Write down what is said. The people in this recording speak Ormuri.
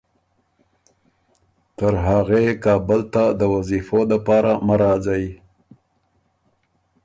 تر هغے کابل ته ده وظیفو د پاره مۀ راځئ